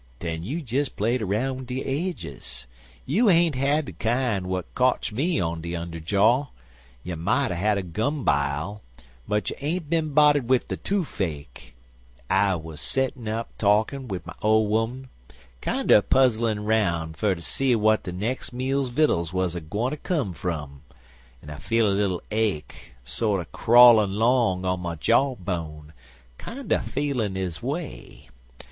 "Den you des played 'roun' de aidges. You ain't had de kine w'at kotch me on de underjaw. You mout a had a gum bile, but you ain't bin boddered wid de toofache. I wuz settin' up talkin' wid my ole 'oman, kinder puzzlin' 'roun' fer ter see whar de nex' meal's vittles wuz a gwineter cum fum, an' I feel a little ache sorter crawlin' 'long on my jaw bone, kinder feelin' his way.